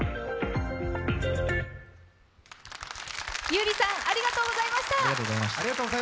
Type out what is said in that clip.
優里さん、ありがとうございました。